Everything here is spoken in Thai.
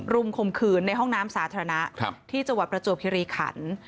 มข่มขืนในห้องน้ำสาธารณะที่จังหวัดประจวบคิริขัน